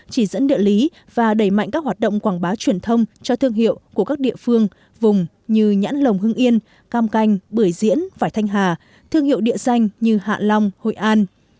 chỉ dẫn địa lý và đẩy mạnh các hoạt động quảng bá truyền thông cho thương hiệu của các địa phương vùng như nhãn lồng hưng yên cam canh bưởi diễn vải thanh hà thương hiệu địa danh như hạ long hội an